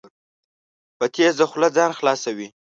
په تېزه خوله ځان خلاصوي.